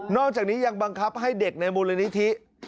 จากนี้ยังบังคับให้เด็กในมูลนิธิ